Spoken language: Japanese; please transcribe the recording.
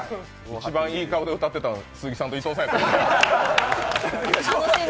一番いい顔で歌ってたの鈴木さんと伊藤さん。